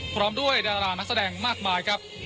พร้อมด้วยดารานักแสดงมากมายครับ